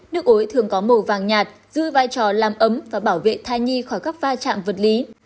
nước ối thường có màu vàng nhạt dư vai trò làm ấm và bảo vệ tha nhi khỏi các va trạng vật lý